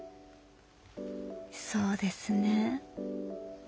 そうですね。